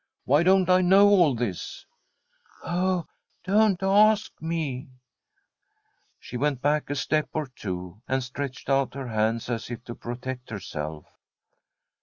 Why don't I know all this ?'' Oh, don't ask me !' She went back a step or two, and stretched out her hands as if to protect herself.